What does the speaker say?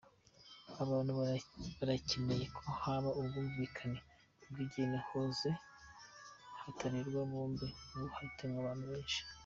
Abantu barakeneye ko haba ukwumvikana kw’ingene hoza hatarerwa bombe, ubu zihitana abantu benshi ,.